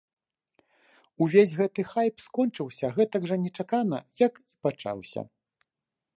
Увесь гэты хайп скончыўся гэтак жа нечакана, як і пачаўся.